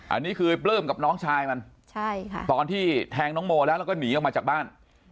อันนี้คือไอ้ปลื้มกับน้องชายมันใช่ค่ะตอนที่แทงน้องโมแล้วแล้วก็หนีออกมาจากบ้าน